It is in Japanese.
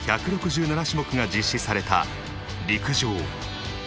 種目が実施された陸上。